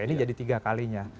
ini jadi tiga kalinya